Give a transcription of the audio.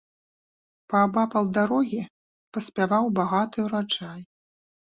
Паабапал дарогі паспяваў багаты ўраджай.